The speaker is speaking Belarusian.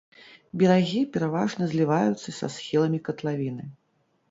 Берагі пераважна зліваюцца са схіламі катлавіны.